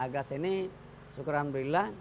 gas ini syukurlah